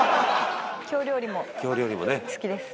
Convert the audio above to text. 京料理も好きです。